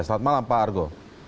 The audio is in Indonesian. selamat malam pak argo